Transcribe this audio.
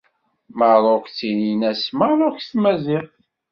Meṛṛuk ttinin-as Meṛṛuk s tmaziɣt.